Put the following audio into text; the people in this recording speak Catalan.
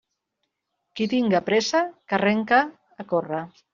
Qui tinga pressa que arranque a córrer.